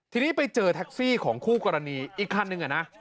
ทีนี้ไปเจอแท็กซี่ของคู่กรณีอีกคันนึงอะนะ